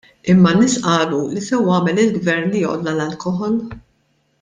Imma n-nies qalu li sewwa għamel il-Gvern li għolla l-alkoħol!